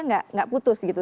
nggak putus gitu